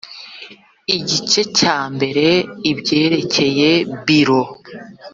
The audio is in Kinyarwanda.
igice cya mbere ibyerekeye biro